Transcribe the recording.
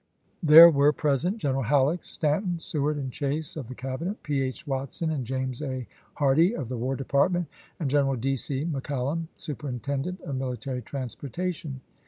There were present General Halleck, Stanton, Seward and Chase of the Cabinet; P. H. Watson and James A. Hardie of the War Department, and Gen eral D. C. McCallum, superintendent of military transportation.